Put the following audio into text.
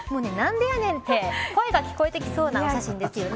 なんでやねんって声が聞こえてきそうな写真ですよね。